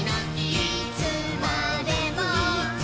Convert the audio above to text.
いつまでも。